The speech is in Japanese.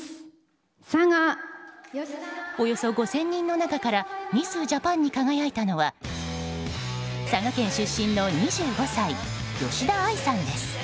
およそ５０００人の中からミス・ジャパンに輝いたのは佐賀県出身の２５歳吉田愛さんです。